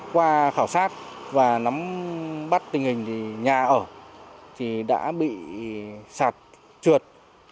qua khảo sát và nắm bắt tình hình thì nhà ở thì đã bị sạt trượt